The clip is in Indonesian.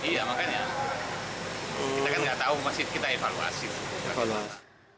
iya makanya kita kan gak tahu kita evaluasi